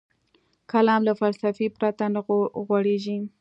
کلام له فلسفې پرته نه غوړېږي.